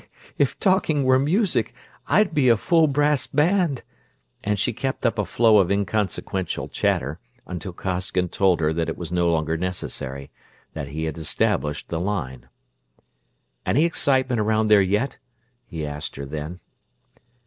"If talking were music, I'd be a full brass band!" and she kept up a flow of inconsequential chatter, until Costigan told her that it was no longer necessary; that he had established the line. "Any excitement around there yet?" he asked her then.